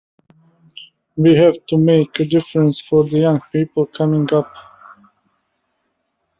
We have to make a difference for the young people coming up.